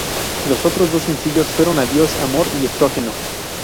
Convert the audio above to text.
Los otros dos sencillos fueron "Adiós amor" y "Estrógeno".